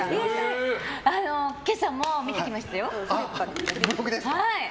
今朝も、見てきましたよ。